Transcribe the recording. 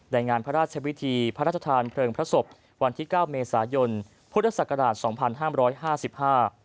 ในงานพระราชวิธีพระราชทานเพลิงพระศพวันที่๙เมษายนพุทธศักราช๒๕๕๕